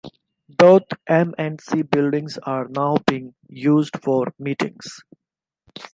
Both M and C buildings are now being used for meetings.